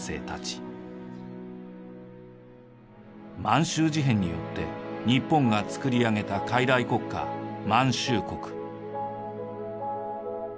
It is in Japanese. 満州事変によって日本がつくり上げた傀儡国家満州国。